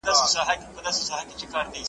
بيا ستوري، نه سپوږمۍ وه نه سينګار د شبستان